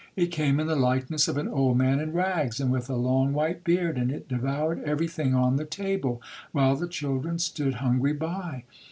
It came in the likeness of an old man in rags, and with a long white beard, and it devoured every thing on the table, while the children stood hungry by!